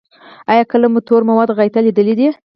ایا کله مو تور مواد غایطه لیدلي؟